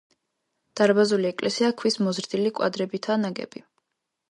დარბაზული ეკლესია ქვის მოზრდილი კვადრებითაა ნაგები.